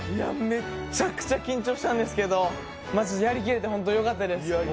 めっちゃくちゃ緊張したんですけどやりきれてホントよかったです。